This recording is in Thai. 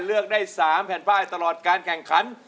เลือกได้๓แผ่นป้ายตลอดการแข่งขัน